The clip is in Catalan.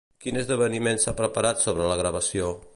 Quin esdeveniment s'ha preparat sobre la gravació?